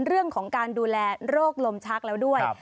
เรื่องของการดูแลโรคลมชักแล้วด้วย